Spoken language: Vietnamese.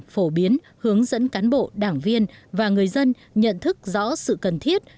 phổ biến hướng dẫn cán bộ đảng viên và người dân nhận thức rõ sự cần thiết